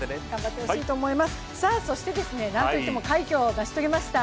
そしてなんといっても快挙を成し遂げました